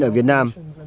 ở việt nam